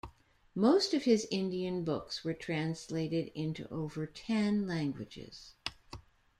Most of his Indian books were translated into over ten languages.